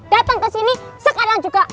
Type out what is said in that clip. dateng kesini sekarang juga